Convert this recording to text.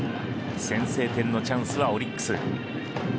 先制点のチャンスはオリックス。